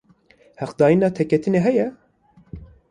Heqdayina têketinê heye?